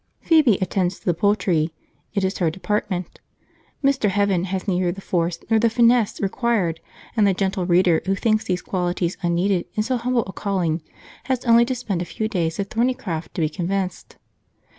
Phoebe attends to the poultry; it is her department. Mr. Heaven has neither the force nor the finesse required, and the gentle reader who thinks these qualities unneeded in so humble a calling has only to spend a few days at Thornycroft to be convinced.